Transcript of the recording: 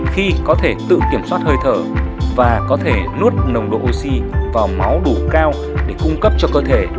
khi có thể tự kiểm soát hơi thở và có thể nuốt nồng độ oxy vào máu đủ cao để cung cấp cho cơ thể